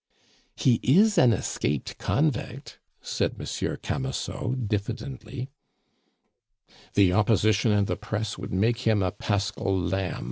"He is an escaped convict," said Monsieur Camusot, diffidently. "The Opposition and the Press would make him a paschal lamb!"